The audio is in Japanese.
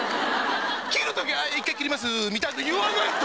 切る時は「１回切ります」みたいの言わないと。